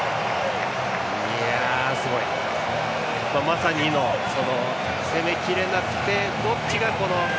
まさに攻めきれなくてどっちが。